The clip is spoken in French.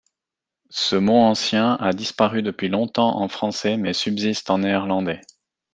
Ce mot ancien a disparu depuis longtemps en français, mais subsiste en néerlandais.